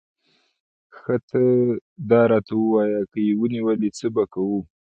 ښه ته داراته ووایه، که یې ونیولې، څه به کوو؟